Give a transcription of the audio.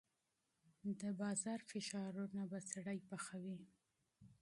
د بازار فشارونه به سړی پخوي.